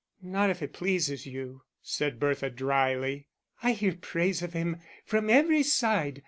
"Not if it pleases you," said Bertha, drily. "I hear praise of him from every side.